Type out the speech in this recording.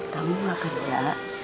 kamu gak kerja